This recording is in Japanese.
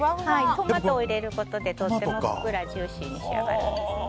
トマトを入れることでふっくらジューシーに仕上がるんですね。